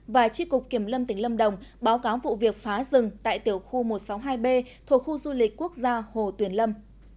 và tri cục kiểm lâm tỉnh lâm đồng báo cáo vụ việc phá rừng tại tiểu khu một trăm sáu mươi hai b thuộc khu du lịch quốc gia hồ tuyền lâm